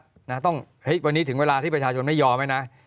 วันนี้ถึงเวลาที่ประชาชนไม่ยอมไหมนะ